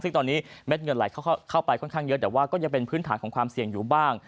ซึ่งตอนนี้เม็ดเงินไหลเข้าไปค่อนข้างเยอะแต่ว่าก็ยังเป็นพื้นฐานของความเสี่ยงอยู่บ้าง